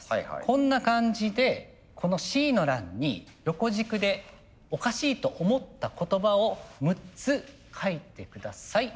こんな感じでこのＣの欄に横軸でおかしいと思った言葉を６つ書いて下さい。